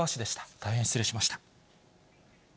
大変失礼しました。